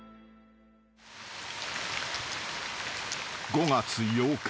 ［５月８日］